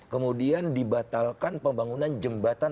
kemudian dibatalkan pembangunan jembatan